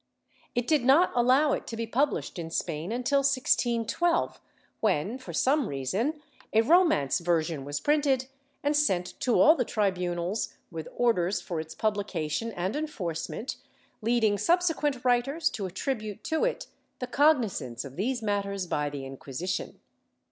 It did not allow it to be published in Spain until 1612 when, for some reason, a Romance version w^as printed and sent to all the tribunals with orders for its publication and enforcement, leading subsequent writers to attribute to it the cognizance of these mat ters by the Inc^uisition.